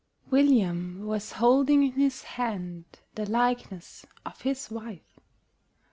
William was holding in his hand The likeness of his wife!